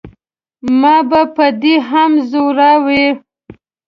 ما به په دې هم زوراوه.